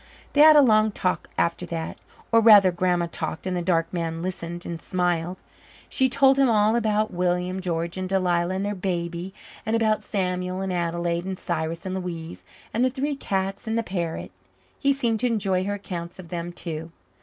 They had a long talk after that or, rather, Grandma talked and the dark man listened and smiled. She told him all about William George and Delia and their baby and about Samuel and Adelaide and Cyrus and Louise and the three cats and the parrot. He seemed to enjoy her accounts of them too.